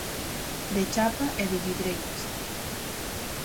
De chapa e de vidreiras.